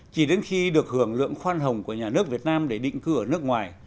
chỉ đến khi được hưởng lượng khoan hồng của nhà nước việt nam để định cư ở nước ngoài